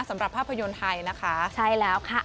สำหรับภาพยนตร์ไทยนะคะใช่แล้วค่ะ